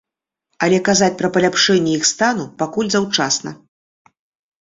Але казаць пра паляпшэнне іх стану пакуль заўчасна.